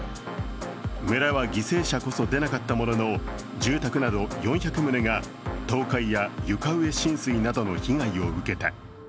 村は犠牲者こそ出なかったものの、住宅など４００棟が倒壊や床上浸水などの被害を受けた。